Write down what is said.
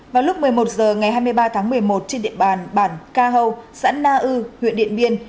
vào lúc một mươi một h ngày hai mươi ba tháng một mươi một trên địa bàn bản ca hâu xã na ư huyện điện biên